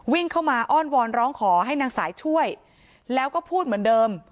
วิ่งเข้ามาอ้อนวอนร้องขอให้นางสายช่วยแล้วก็พูดเหมือนเดิม